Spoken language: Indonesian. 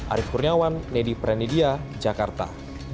arief kurniawan nedi prenidya jakarta